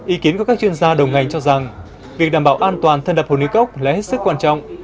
ý kiến của các chuyên gia đầu ngành cho rằng việc đảm bảo an toàn thân đập hồ nối cốc là hết sức quan trọng